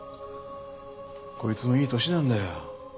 こいつもいい年なんだよ。